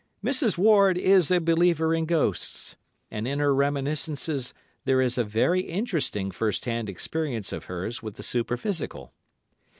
Mrs. Ward is a believer in ghosts, and in her reminiscences there is a very interesting first hand experience of hers with the Superphysical.